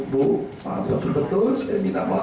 betul betul saya minta maaf